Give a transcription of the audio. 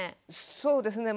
そうですね